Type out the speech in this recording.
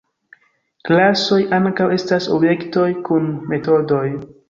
Klasoj ankaŭ estas objektoj kun metodoj.